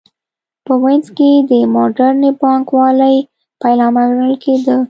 په وینز کې د موډرنې بانک والۍ پیلامه ګڼل کېده